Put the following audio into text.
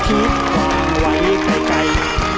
วางไว้ใกล้ใกล้